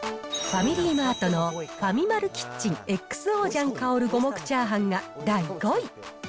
ファミリーマートのファミマルキッチンＸＯ醤香る五目炒飯が第５位。